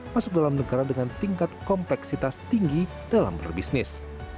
masuk dalam negara dengan tingkat kompleksitas tinggi dalam berbisnis